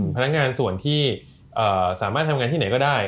พนักงานส่วนที่สามารถทำงานที่ไหนก็ได้